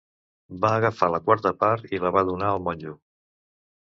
Va agafar la quarta part i la va donar al monjo.